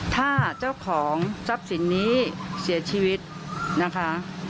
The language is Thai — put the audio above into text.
ถ้าเจ้าของทรัพย์สินนี้เสียชีวิตนะคะ